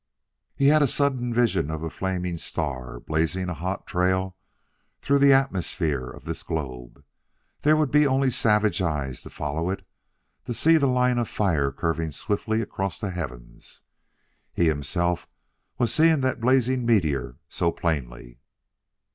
He has a sudden vision of a flaming star blazing a hot trail through the atmosphere of this globe; there would be only savage eyes to follow it to see the line of fire curving swiftly across the heavens.... He, himself, was seeing that blazing meteor so plainly....